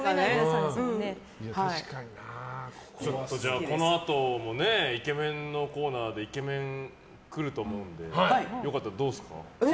じゃあ、このあともイケメンのコーナーでイケメン来ると思うので良かったら、どうですか？